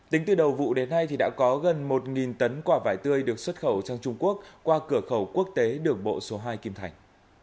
tính từ đầu vụ đến nay đã có gần một tấn quả vải tươi được xuất khẩu sang trung quốc qua cửa khẩu quốc tế đường bộ số hai kim thành